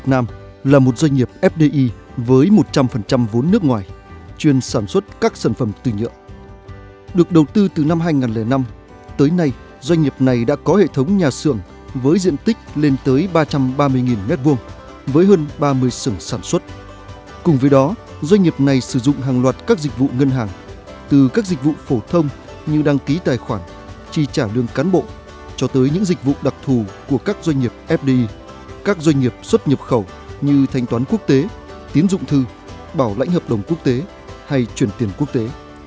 từ đó doanh nghiệp này sử dụng hàng loạt các dịch vụ ngân hàng từ các dịch vụ phổ thông như đăng ký tài khoản chi trả lương cán bộ cho tới những dịch vụ đặc thù của các doanh nghiệp fdi các doanh nghiệp xuất nhập khẩu như thanh toán quốc tế tiến dụng thư bảo lãnh hợp đồng quốc tế hay chuyển tiền quốc tế